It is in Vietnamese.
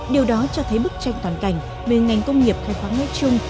điều đó cho thấy bức tranh toàn cảnh về ngành công nghiệp khai khoáng nói chung